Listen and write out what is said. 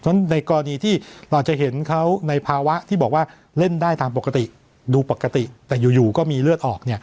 เพราะฉะนั้นในกรณีที่เราจะเห็นเขาในภาวะที่บอกว่าเล่นได้ทางปกติดูปกติแต่อยู่อยู่ก็มีเลือดออกเนี้ย